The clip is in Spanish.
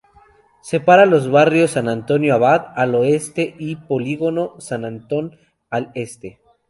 Separa los barrios San Antonio Abad, al oeste, y Polígono San Antón, al este.